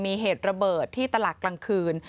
มีเหตุระเบิดที่ตลาดกลางคืน